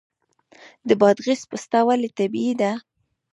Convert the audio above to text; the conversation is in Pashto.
د بادغیس پسته ولې طبیعي ده؟